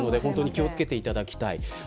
気を付けていただきたいです。